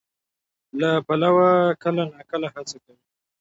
له پلوه کله ناکله هڅه کوي،